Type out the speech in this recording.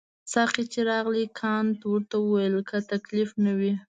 ساقي چې راغی کانت ورته وویل که تکلیف نه وي.